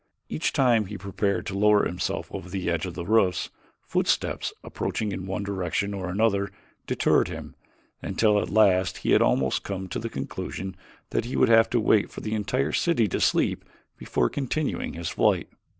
Each time he prepared to lower himself over the edge of the roofs, footsteps approaching in one direction or another deterred him until at last he had almost come to the conclusion that he would have to wait for the entire city to sleep before continuing his flight.